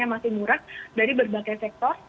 yang masih murah dari berbagai sektor